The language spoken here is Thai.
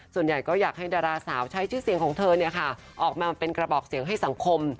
ส่วนใหญ่ก็อยากให้ดาราสาวใช้ชื่อเสียงของเธอออกมาเป็นกระบอกเสียงให้สังคม